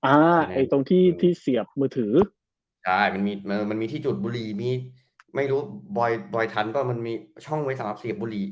ไอ้ตรงที่ที่เสียบมือถือใช่มันมีมันมีที่จุดบุรีมีไม่รู้บอยบ่อยทันป่ะมันมีช่องไว้สำหรับเสียบบุรี